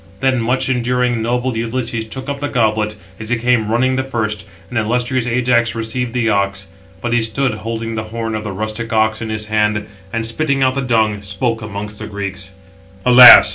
Then much enduring, noble Ulysses took up the goblet, as he came running the first; and illustrious Ajax received the ox. But he stood, holding the horn of the rustic ox in his hands; and, spitting out the dung, spoke amongst the Greeks: "Alas!